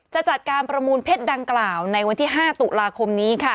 จะจัดการประมูลเพชรดังกล่าวในวันที่๕ตุลาคมนี้ค่ะ